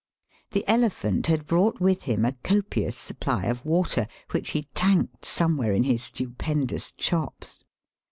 The elephant had brought with him a copious supply of water which he tanked some where in his stupendous chops.